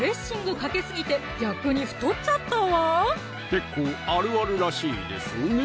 結構あるあるらしいですね